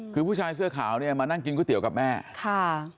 คือผู้ชายเสื้อขาวเนี่ยมานั่งกินก๋วยเตี๋ยวกับแม่ค่ะ